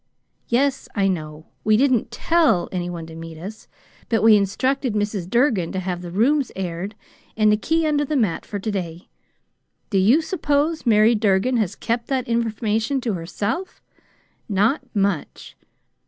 "Yes, I know. We didn't TELL any one to meet us. But we instructed Mrs. Durgin to have the rooms aired and the key under the mat for to day. Do you suppose Mary Durgin has kept that information to herself? Not much!